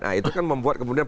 nah itu kan membuat kemudian